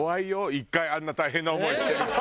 １回あんな大変な思いしてるし。